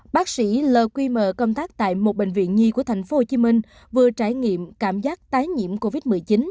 bác sĩ l q m công tác tại một bệnh viện nhi của tp hcm vừa trải nghiệm cảm giác tái nhiễm covid một mươi chín